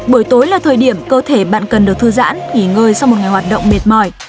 buổi tối là thời điểm cơ thể bạn cần được thư giãn nghỉ ngơi sau một ngày hoạt động mệt mỏi